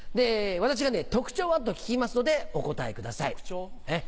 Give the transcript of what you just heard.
私がね「特徴は？」と聞きますのでお答えください。